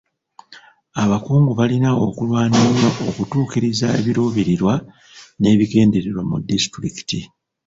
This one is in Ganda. Abakungu balina okulwana ennyo okutuukiriza ebiruubirirwa n'ebigendererwa mu disitulikiti.